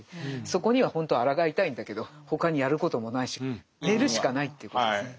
そこにはほんとはあらがいたいんだけど他にやることもないし寝るしかないということですね。